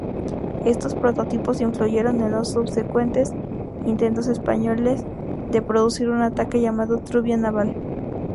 Estos prototipos influyeron en los subsecuentes intentos españoles de producir un tanque, llamado Trubia-Naval.